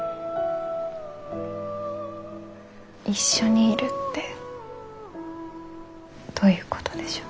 一緒にいるってどういうことでしょう。